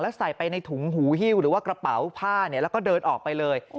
ใส่ไปในถุงหูฮิ้วหรือว่ากระเป๋าผ้าแล้วก็เดินออกไปเลย